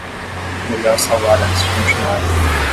Melhor salvar antes de continuar.